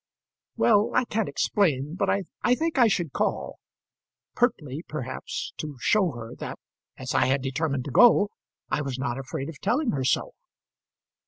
"Well, I can't explain; but I think I should call: partly, perhaps, to show her that as I had determined to go, I was not afraid of telling her so."